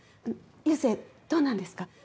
佑星どうなんですか？